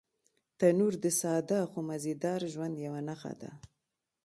تنور د ساده خو مزيدار ژوند یوه نښه ده